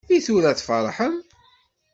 I tura tfarḥem?